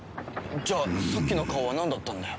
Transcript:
じゃあさっきの顔はなんだったんだよ？